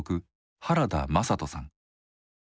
原田眞人さん。